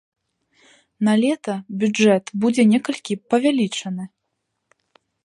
Налета бюджэт будзе некалькі павялічаны.